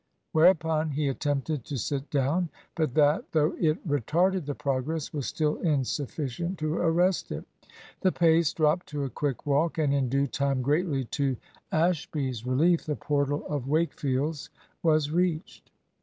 Whereupon he attempted to sit down. But that, though it retarded the progress, was still insufficient to arrest it. The pace dropped to a quick walk, and in due time, greatly to Ashby's relief, the portal of Wakefield's was reached.